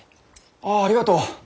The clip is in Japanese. ああありがとう！